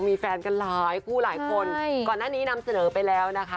มีแฟนกันร้ายผู้หลายคนใช่เขาอ่ะนี้นำเสนอไปแล้วนะคะ